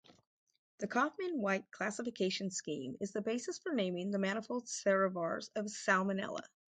The Kauffman-White classification scheme is the basis for naming the manifold serovars of "Salmonella".